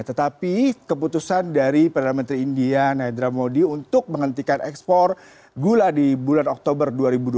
tetapi keputusan dari perdana menteri india nedra modi untuk menghentikan ekspor gula di bulan oktober dua ribu dua puluh